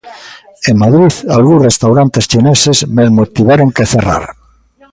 En Madrid algúns restaurantes chineses, mesmo tiveron que cerrar.